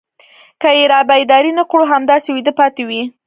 که يې رابيدارې نه کړو همداسې ويدې پاتې وي.